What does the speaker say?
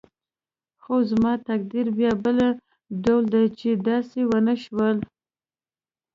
خو زما تقدیر بیا بل ډول دی چې داسې ونه شول.